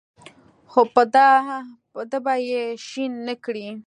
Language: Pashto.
خو په ده به یې شین نکړې.